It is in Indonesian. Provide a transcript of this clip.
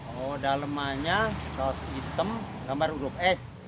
oh dalemannya kaos hitam gambar urup es